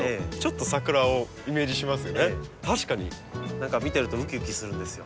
何か見てるとうきうきするんですよ。